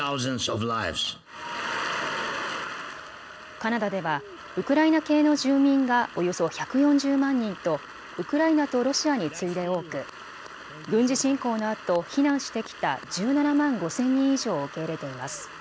カナダではウクライナ系の住民がおよそ１４０万人とウクライナとロシアに次いで多く軍事侵攻のあと避難してきた１７万５０００人以上を受け入れています。